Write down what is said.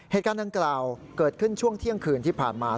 เหตุการณ์ดังกล่าวเกิดขึ้นช่วงเที่ยงคืนที่ผ่านมา